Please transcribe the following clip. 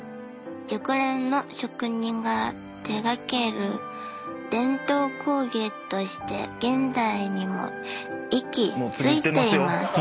［熟練の職人が手がける伝統工芸として現代にも息づいています］